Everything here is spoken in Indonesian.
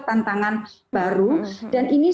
tantangan baru dan ini